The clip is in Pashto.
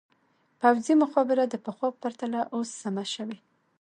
پوځي مخابره د پخوا په پرتله اوس سمه شوې.